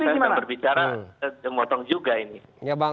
kalau tidak terbukti gimana saya berbicara